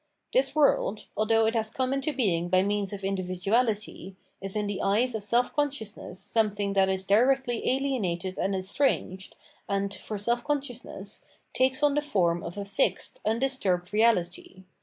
This world, although it has come into being by means of individuahty, is in the eyes of self con sciousness something that is directly ahenated and estranged, and, for self consciousness, takes on the form of a fixed, undisturbed reahty.